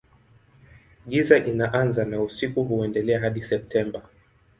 Giza inaanza na usiku huendelea hadi Septemba.